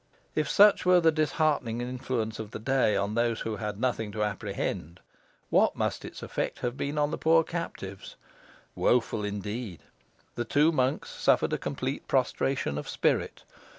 If such were the disheartening influence of the day on those who had nothing to apprehend, what must its effect have been on the poor captives! Woful indeed. The two monks suffered a complete prostration of spirit.